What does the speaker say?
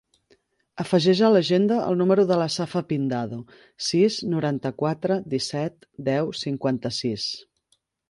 Afegeix a l'agenda el número de la Safa Pindado: sis, noranta-quatre, disset, deu, cinquanta-sis.